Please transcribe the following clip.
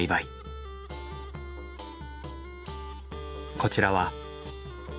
こちらは。